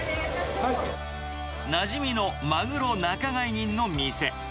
なじみのマグロ仲買人の店。